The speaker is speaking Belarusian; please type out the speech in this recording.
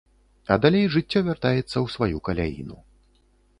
А далей жыццё вяртаецца ў сваю каляіну.